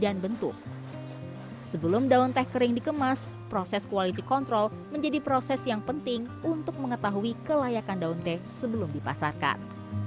dan bentuk sebelum daun teh kering dikemas proses quality control menjadi proses yang penting untuk mengetahui kelayakan daun teh sebelum dipasarkan